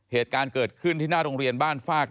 เหตุการณ์เกิดขึ้นที่หน้าโรงเรียนบ้านฟาก